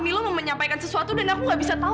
milo mau menyampaikan sesuatu dan aku gak bisa tahu